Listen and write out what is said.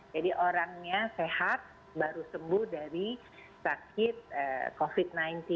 jadi orangnya sehat baru sembuh dari sakit covid sembilan belas